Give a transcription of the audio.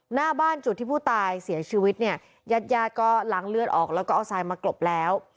หน้าบ้านจุดที่ผู้ตายเสียชีวิตเนี่ยญาติญาติก็ล้างเลือดออกแล้วก็เอาทรายมากรบแล้ว